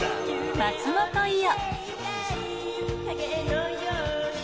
松本伊代。